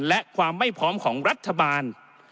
และความไม่พร้อมของรัฐบาล